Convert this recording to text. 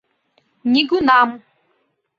«Нигунам.